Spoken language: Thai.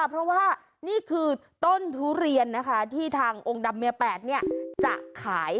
เพราะว่านี่คือต้นทุเรียนนะคะที่ทางองค์ดำเมีย๘จะขาย